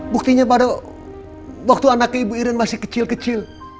buktinya pada waktu anak ibu iren masih kecil kecil